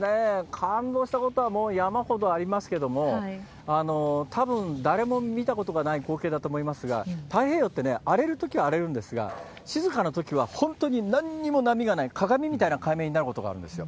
感動したことはもう山ほどありますけども、たぶん誰も見たことがない光景だと思いますが、太平洋ってね、荒れるときは荒れるんですが、静かなときは本当になんにも波がない、鏡みたいな海面になることがあるんですよ。